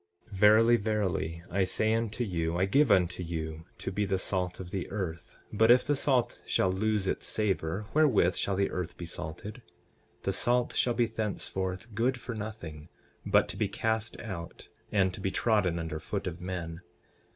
12:13 Verily, verily, I say unto you, I give unto you to be the salt of the earth; but if the salt shall lose its savor wherewith shall the earth be salted? The salt shall be thenceforth good for nothing, but to be cast out and to be trodden under foot of men.